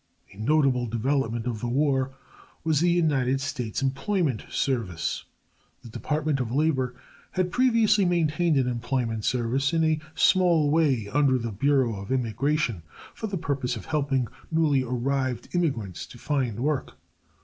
A notable development of the war was the United States Employment Service. The Department of Labor had previously maintained an employment service in a small way under the Bureau of Immigration for the purpose of helping newly arrived immigrants to find work.